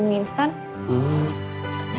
nggak ada apa apa